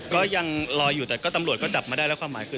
ก็ยังรออยู่แต่ก็ตำรวจก็จับมาได้แล้วความหมายคือ